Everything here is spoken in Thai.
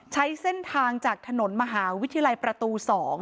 ใช้เส้นทางจากถนนมหาวิทยาลัยประตู๒